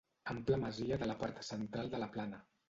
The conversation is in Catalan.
Ampla masia de la part central de la Plana.